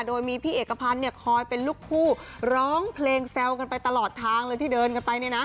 โดยมีพี่เอกพันธ์คอยเป็นลูกคู่ร้องเพลงแซวกันไปตลอดทางเลยที่เดินกันไป